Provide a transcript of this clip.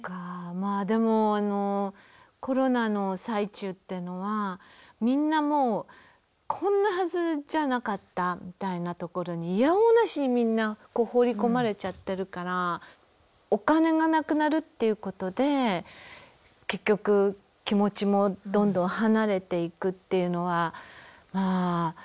まあでもあのコロナの最中っていうのはみんなもうこんなはずじゃなかったみたいなところにいやおうなしにみんな放り込まれちゃってるからお金がなくなるっていうことで結局気持ちもどんどん離れていくっていうのはまあたくさんあったかもね。